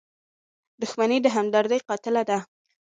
• دښمني د همدردۍ قاتله ده.